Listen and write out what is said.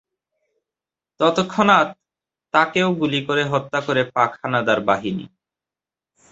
তৎক্ষণাৎ তাকেও গুলি করে হত্যা করে পাক হানাদার বাহিনী।